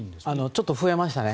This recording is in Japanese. ちょっと増えましたね。